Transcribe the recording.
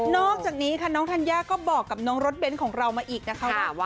อกจากนี้ค่ะน้องธัญญาก็บอกกับน้องรถเบ้นของเรามาอีกนะคะว่า